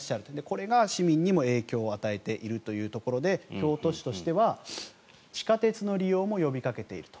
これが市民にも影響を与えているというところで京都市としては地下鉄の利用も呼びかけていると。